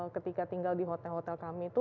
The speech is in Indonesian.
ketika tinggal di hotel hotel kami itu